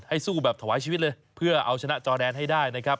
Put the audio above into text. สู้แบบถวายชีวิตเลยเพื่อเอาชนะจอแดนให้ได้นะครับ